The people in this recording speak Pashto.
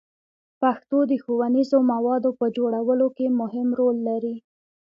پښتو د ښوونیزو موادو په جوړولو کې مهم رول لري.